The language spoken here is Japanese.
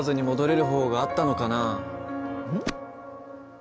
うん？